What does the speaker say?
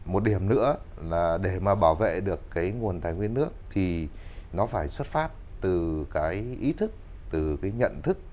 một điểm nữa là để mà bảo vệ được cái nguồn tài nguyên nước thì nó phải xuất phát từ cái ý thức